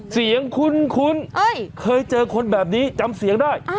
คุ้นเคยเจอคนแบบนี้จำเสียงได้